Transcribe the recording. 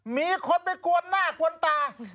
มีคนไปกวนหน้ากวนตา